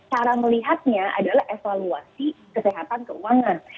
cara melihatnya adalah evaluasi kesehatan keuangan